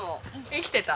生きてた。